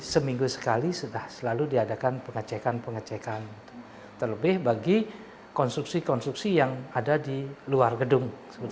seminggu sekali sudah selalu diadakan pengecekan pengecekan terlebih bagi konstruksi konstruksi yang ada di luar gedung